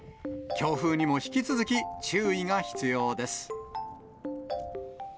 強風にも引き続き、注意が必要です。